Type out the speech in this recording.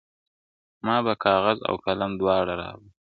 مــــابــــه کاغــذ او قـــلـــم دواړه راوړل,